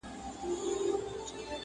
جنون مو مبارک سه زولنې دي چي راځي.!